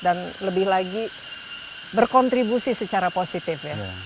dan lebih lagi berkontribusi secara positif ya